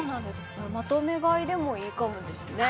これまとめ買いでもいいかもですね